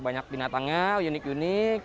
banyak binatangnya unik unik